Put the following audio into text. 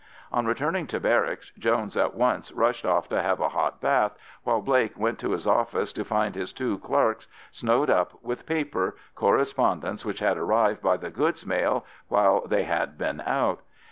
On returning to barracks, Jones at once rushed off to have a hot bath, while Blake went to his office to find his two clerks snowed up with paper, correspondence which had arrived by the goods mail while they had been out.